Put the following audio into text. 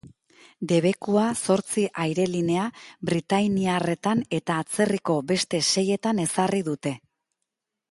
Debekua zortzi aire-linea britainiarretan eta atzerriko beste seitan ezarri dute.